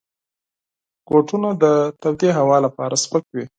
بوټونه د تودې هوا لپاره سپک وي.